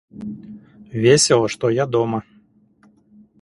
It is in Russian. Весело, что я дома.